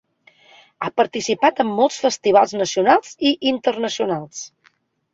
Ha participat en molts festivals nacionals i internacionals.